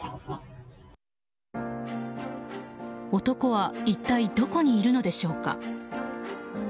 男は一体どこにいるのでしょうか。